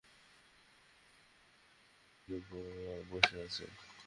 প্রচণ্ড শীতের মধ্যেই রাস্তা ও ফুটপাতে শুয়ে বা বসে আছেন।